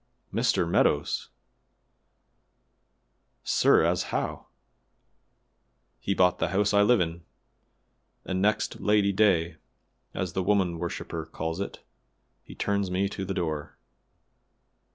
"Mr. Meadows! La, sir, as how?" "He bought the house I live in, and next Lady day, as the woman worshiper calls it, he turns me to the door."